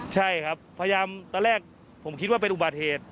ใช่ครับพยายามตอนแรกผมคิดว่าเป็นอุบัติเหตุ